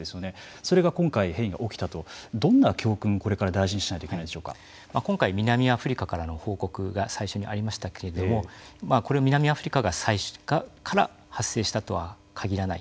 それが今回、変異が起きたとどんな教訓をこれから大事にしないと今回、南アフリカからの報告が最初にありましたけれどもこれが南アフリカから発生したとは限らない。